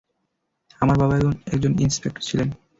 আমার বাবা একজন ইন্সপেক্টর ছিলেন।